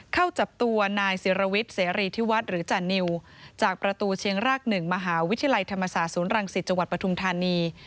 เข้าจับตัวนายศิรวิทย์เสรีที่วัดหรือจานิวจากประตูเชียงราก๑มหาวิทยาลัยธรรมศาสตร์ศูนย์รังสิตจังหวัดปทุมธานี